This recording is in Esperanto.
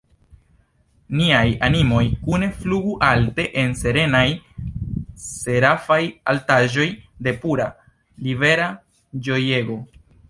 Niaj animoj kune flugu alte en serenaj, serafaj altaĵoj de pura, libera ĝojego!